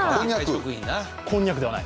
こんにゃくではない。